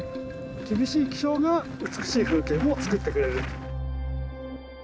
厳しい気象が美しい風景もつくってくれる。